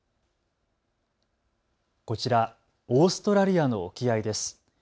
こちら、オーストラリアの沖合です。